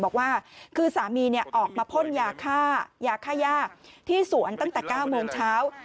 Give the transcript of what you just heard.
บอกว่าคือสามีออกมาพ่นยาฆ่ายาค่าย่าที่สวนตั้งแต่๙โมงเช้า